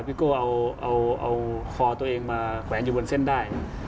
โก้เอาคอตัวเองมาแขวนอยู่บนเส้นได้